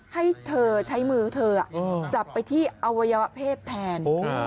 ให้เธอใช้มือเธอจับไปที่อวัยวะเพศแทน